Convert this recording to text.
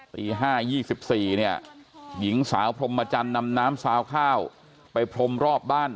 ตี๕๒๔เนี่ยหญิงสาวพรมจันทร์นำน้ำซาวข้าวไปพรมรอบบ้าน